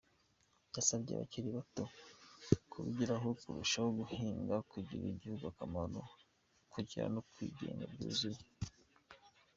Yasabye abakiri bato kubigiraho barushaho guhiga kugirira igihugu akamaro, kwigira no kwigenga byuzuye.